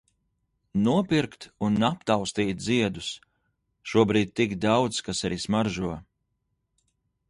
Nopirkt un aptaustīt ziedus. Šobrīd tik daudz kas arī smaržo.